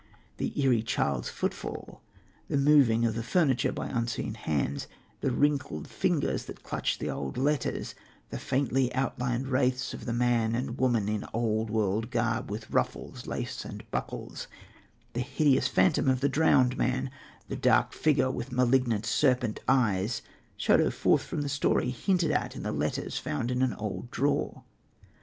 The eerie child's footfall, the moving of the furniture by unseen hands, the wrinkled fingers that clutch the old letters, the faintly outlined wraiths of the man and woman in old world garb with ruffles, lace, and buckles, the hideous phantom of the drowned man, the dark figure with malignant serpent eyes, shadow forth the story hinted at in the letters found in an old drawer.